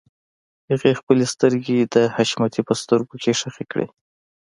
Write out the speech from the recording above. هغې خپلې سترګې د حشمتي په سترګو کې ښخې کړې.